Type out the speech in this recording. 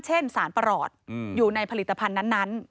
เช่นสารประหลอดอยู่ในผลิตภัณฑ์นั้น